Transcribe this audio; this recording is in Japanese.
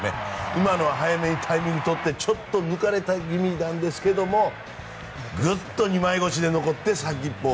今の早めにタイミングとってちょっと抜かれた気味なんですがグッと二枚腰で取って先っぽ。